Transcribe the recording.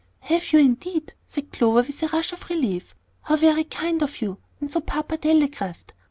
"Have you, indeed?" said Clover, with a rush of relief. "How very kind of you! And so papa telegraphed!